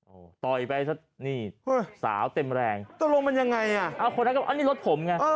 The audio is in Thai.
โอ้ต่อยไปซะนี่สาวเต็มแรงตัวลงมันยังไงอันนี้รถผมไง